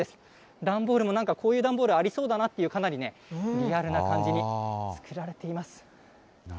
段ボールもなんか、こういう段ボールありそうだなっていう、かなりリアルに作られています。